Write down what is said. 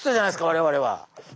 我々は。